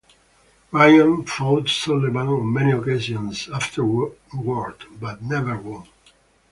Ryan fought Sullivan on many occasions afterward, but never won.